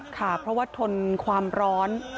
ค่ะเพราะว่าทนความร้อน